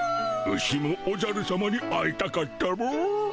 牛もおじゃるさまに会いたかったモ。